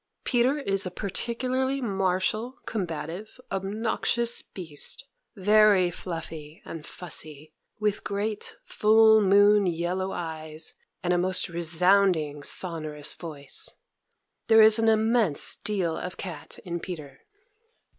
Peter is a particularly martial, combative, obnoxious beast, very fluffy and fussy, with great, full moon, yellow eyes, and a most resounding, sonorous voice. There is an immense deal of cat in Peter.